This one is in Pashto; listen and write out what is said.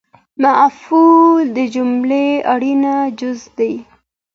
مفعول د جملې اړین جز دئ